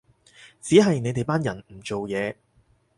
只係你哋班人唔做嘢